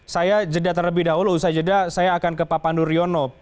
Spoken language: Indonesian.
saya jeda terlebih dahulu usai jeda saya akan ke pak pandu riono